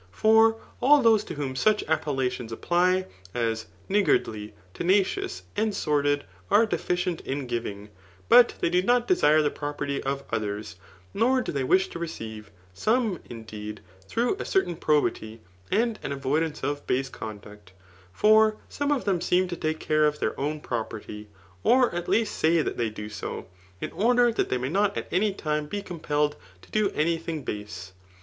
For all those to vrhom such appellations a{Y>ty^ as, niggardly, tenacious, and sordid, are deficient in giving } but they do not desh^ the property of others, nor do they wish to receive, some, indeed, through a cec^ tain probity, and an avoidance of base cciUiuct* For some c^ them seem to take care of their own propeityy or at least say that they do so, in order that they may nee at any time be compelled to do any thing base.